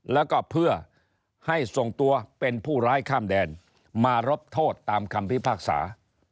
แล้วก็เพื่อให้ส่งตัวเป็นผู้ร้ายข้ามแดนมารบโทษตามคำพิพากษา